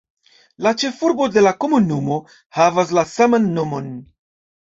La ĉefurbo de la komunumo havas la saman nomon.